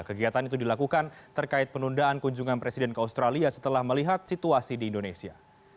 kegiatan itu dilakukan terkait penundaan kunjungan presiden ke australia setelah melihat situasi di indonesia